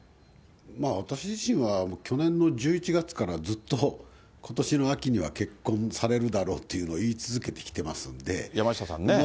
私自身は、去年の１１月からずっと、ことしの秋には結婚されるだろうっていうのを言い続けてきてます山下さんね。